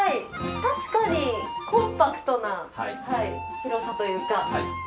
確かにコンパクトな広さというか。